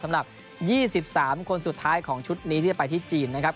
สำหรับ๒๓คนสุดท้ายของชุดนี้ที่จะไปที่จีนนะครับ